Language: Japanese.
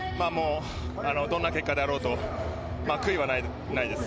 どんな結果であろうと悔いはないです。